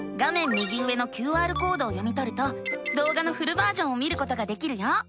右上のＱＲコードを読みとるとどうがのフルバージョンを見ることができるよ。